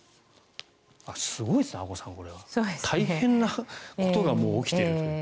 すごいですね、阿古さんこれは。大変なことが起きているという。